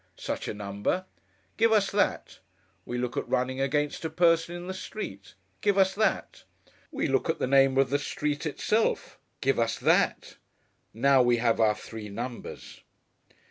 Such a number. 'Give us that.' We look at running against a person in the street. 'Give us that.' We look at the name of the street itself. 'Give us that.' Now, we have our three numbers.